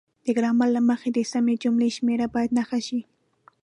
د ګرامر له مخې د سمې جملې شمیره باید نښه شي.